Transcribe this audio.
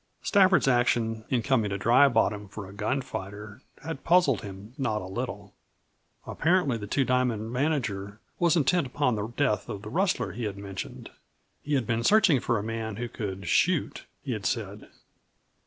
Stafford's action in coming to Dry Bottom for a gunfighter had puzzled him not a little. Apparently the Two Diamond manager was intent upon the death of the rustler he had mentioned. He had been searching for a man who could "shoot," he had said.